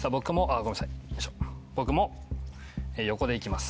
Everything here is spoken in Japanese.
僕も横でいきます。